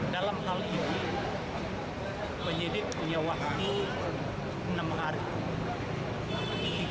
dalam hal ini penyidik punya waktu enam hari